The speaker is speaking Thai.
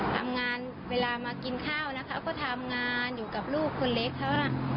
ทำงานเวลามากินข้าวนะคะก็ทำงานอยู่กับลูกคนเล็กเขาน่ะ